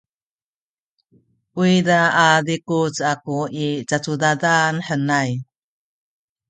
uyza a zikuc aku i cacudadan henay.